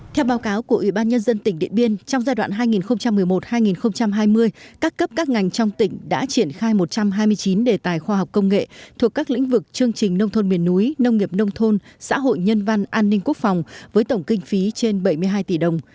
theo báo cáo của ủy ban nhân dân tỉnh điện biên trong giai đoạn hai nghìn một mươi một hai nghìn hai mươi các cấp các ngành trong tỉnh đã triển khai một trăm hai mươi chín đề tài khoa học công nghệ thuộc các lĩnh vực chương trình nông thôn miền núi nông nghiệp nông thôn xã hội nhân văn an ninh quốc phòng với tổng kinh phí trên bảy mươi hai tỷ đồng